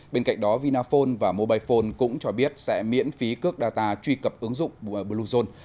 bên cạnh đó vinaphone và mobilephone cũng cho biết sẽ miễn phí cước data truy cập ứng dụng bluezone